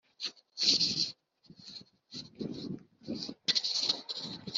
ni ihumure mu gihe umutima wacu ushenjaguwe